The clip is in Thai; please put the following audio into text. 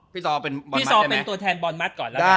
พี่ซอเป็นตัวแทนบอร์นมัสก่อน